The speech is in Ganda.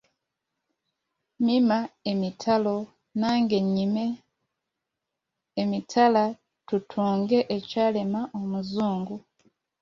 Mima emitalo nange nnyime emitala tutunge ekyalema omuzungu.